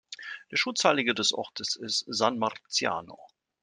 Der Schutzheilige des Ortes ist San Marziano.